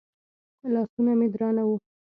لاسونه مې درانه وو.